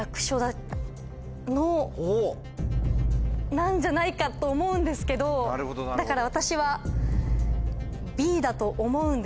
なんじゃないかと思うんですけどだから。